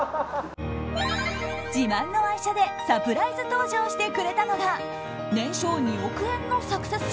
自慢の愛車でサプライズ登場してくれたのが年商２億円のサクセス